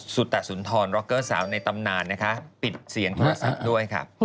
สุตสุนทรร็อกเกอร์สาวในตำนานนะคะปิดเสียงโทรศัพท์ด้วยค่ะ